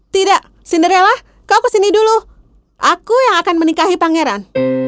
tidak cinderella kau kesini dulu aku yang akan menikahi pangeran